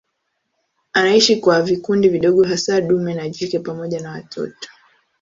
Anaishi kwa vikundi vidogo hasa dume na jike pamoja na watoto.